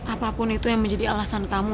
apapun itu yang menjadi alasan kamu